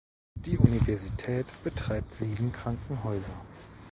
Die Universität betreibt sieben Krankenhäuser.